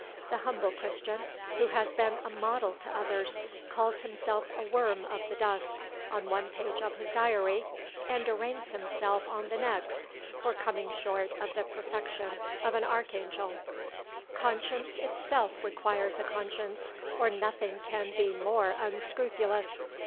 The humble Christian, who has been a model to others, calls himself a worm of the dust on one page of his diary, and arraigns himself on the next for coming short of the perfection of an archangel. Conscience itself requires a conscience, or nothing can be more unscrupulous.